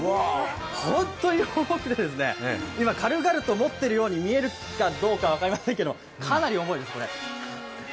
ホントに重くて、今、軽々と持ってるように見えるか分かりませんけどかなり重いです、これ。